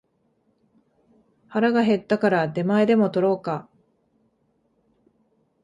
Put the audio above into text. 腹が減ったから出前でも取ろうか